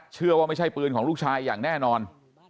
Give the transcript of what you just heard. เชื่อว่าไม่ใช่ปืนของลูกชายอย่างแน่นอน